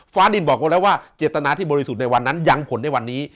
ฟ้าดินบอกไว้แล้วว่าเจตนาที่บริสุทธิ์ในวันนั้นยังผลในวันนี้